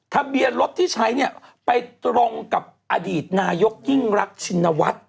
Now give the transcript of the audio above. ทะเบียนรถที่ใช้เนี่ยไปตรงกับอดีตนายกยิ่งรักชินวัฒน์